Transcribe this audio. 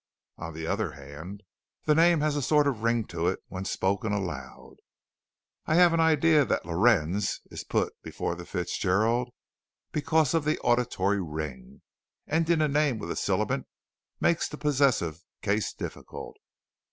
On the other hand, the name has a sort of ring to it when spoken aloud. I have an idea that 'Lorenz' is put before the 'Fitzgerald' because of the auditory ring; ending a name with a sibilant makes the possessive case difficult.